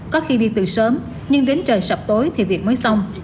có khi đi từ sớm nhưng đến trời sập tối thì việc mới xong